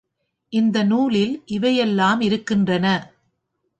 இந்த நூலில் இவை எல்லாம் இருக்கின்றன.